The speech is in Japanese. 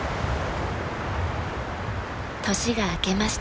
年が明けました。